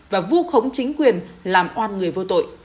và vu khống chính quyền làm oan người vô tội